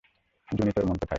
জুনি তোর মন কোথায়?